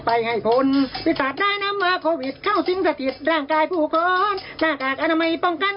อ่าลองฟังหน่อย